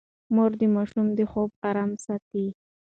مور د ماشوم د خوب ارام ساتي.